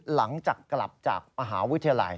หลังจากกลับจากมหาวิทยาลัย